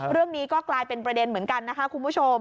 เรื่องนี้ก็กลายเป็นประเด็นเหมือนกันนะคะคุณผู้ชม